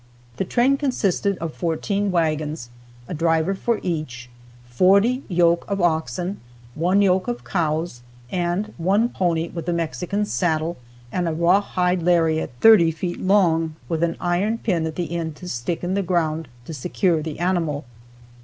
The train consisted of fourteen wagons, a driver for each, forty yoke of oxen, one yoke of cows and one pony with a Mexican saddle and a rawhide lariat thirty feet long, with an iron pin at the end to stick in the ground to secure the animal.